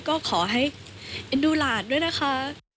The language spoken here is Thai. ก็ขอให้เอ็นดูหลานด้วยนะคะ